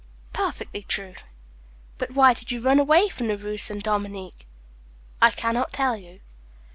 "Perfectly true." "But why did you run away from the Rue St. Dominique?" "I can not tell you."